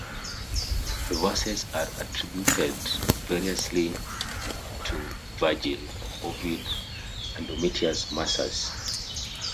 The verses are attributed variously to Virgil, Ovid, and Domitius Marsus.